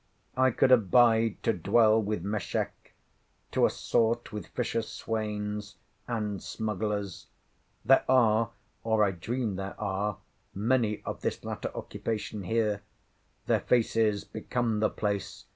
I could abide to dwell with Meschek; to assort with fisher swains, and smugglers. There are, or I dream there are, many of this latter occupation here. Their faces become the place.